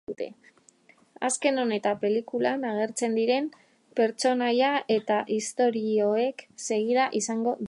Azken honetan pelikulan agertzen diren pertsonaia eta istorioek segida izango dute.